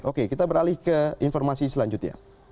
oke kita beralih ke informasi selanjutnya